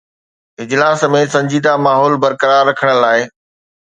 اجلاس ۾ سنجيده ماحول برقرار رکڻ لاءِ.